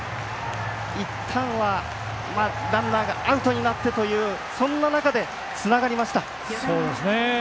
いったんはランナーがアウトになってというそんな中で、つながりました。